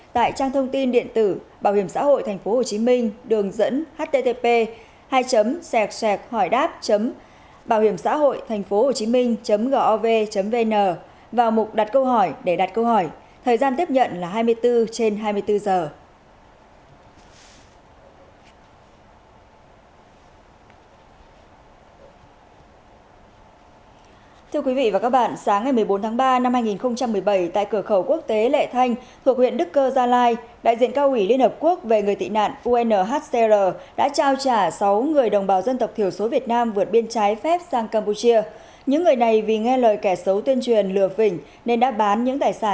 tại trang thông tin điện tử bảo hiểm xã hội tp hcm đường dẫn http hỏiđáp bh th h h gov vn